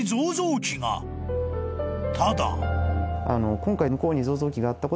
［ただ］